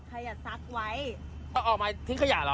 ของของใครใครอย่าซักไว้